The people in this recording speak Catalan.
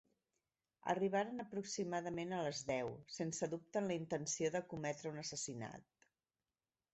Arribaren aproximadament a les deu, sense dubte amb la intenció de cometre un assassinat.